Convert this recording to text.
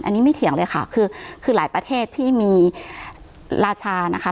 อันนี้ไม่เถียงเลยค่ะคือคือหลายประเทศที่มีราชานะคะ